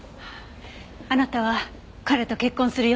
あなたは彼と結婚する予定だった。